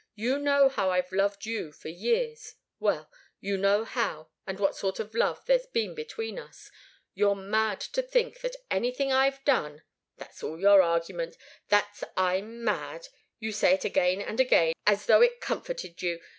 You know how I've loved you for years well you know how, and what sort of love there's been between us. You're mad to think that anything I've done " "That's all your argument that I'm mad! You say it again and again, as though it comforted you!